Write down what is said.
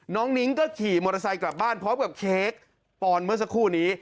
นิ้งก็ขี่มอเตอร์ไซค์กลับบ้านพร้อมกับเค้กปอนเมื่อสักครู่นี้